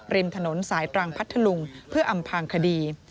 ริมถนนสายตรังพัทธลุงเพื่ออำพางคดี